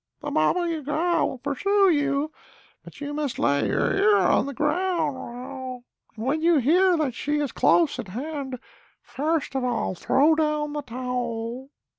The Baba Yaga will pursue you, but you must lay your ear on the ground, and when you hear that she is close at hand, first of all throw down the towel.